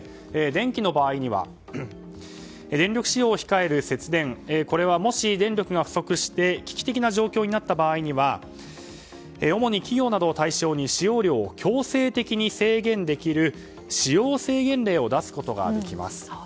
電気の場合には電力使用を控える節電はもし電力が不足して危機的な状況になった場合には主に企業などを対象に使用量を強制的に制限できる使用制限令を出すことができます。